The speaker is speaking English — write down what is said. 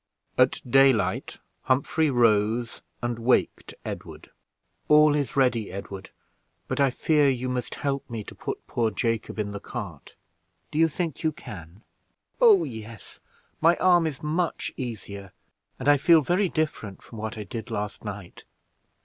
At daylight Humphrey rose, and waked Edward. "All is ready, Edward; but I fear you must help me to put poor Jacob in the cart: do you think you can?" "Oh, yes; my arm is much easier, and I feel very different from what I did last night.